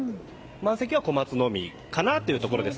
満席は小松のみかなというところです。